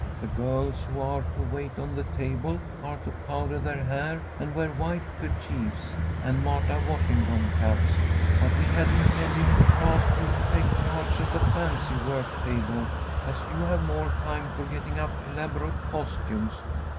The girls who are to wait on the table are to powder their hair and wear white kerchiefs and Martha Washington caps. But we had intended to ask you to take charge of the fancy work table, as you have more time for getting up elaborate costumes.